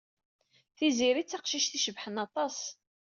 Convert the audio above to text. Tiziri d taqcict icebḥen aṭas.